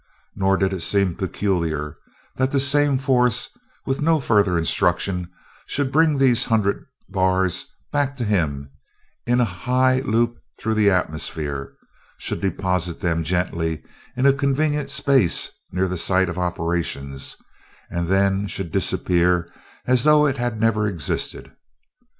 Nor did it seem peculiar that the same force, with no further instruction, should bring these hundred bars back to him, in a high loop through the atmosphere; should deposit them gently in a convenient space near the site of operations; and then should disappear as though it had never existed!